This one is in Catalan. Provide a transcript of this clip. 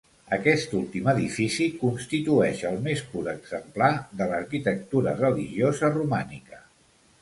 Aquest últim edifici constitueix el més pur exemplar de l'arquitectura religiosa romànica.